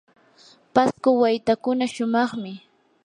pasco waytakuna shumaqmi.